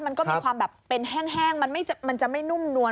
มันก็มีความแบบเป็นแห้งมันจะไม่นุ่มนวล